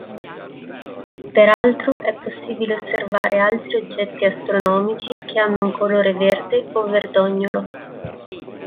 Peraltro è possibile osservare altri oggetti astronomici che hanno un colore verde o verdognolo.